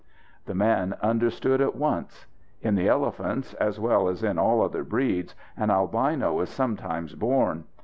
The man understood at once. In the elephants, as well as in all other breeds, an albino is sometimes born.